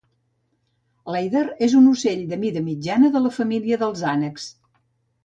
L'èider és un ocell de mida mitjana de la família dels ànecs